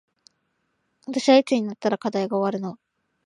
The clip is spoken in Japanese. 私はいつになったら課題が終わるの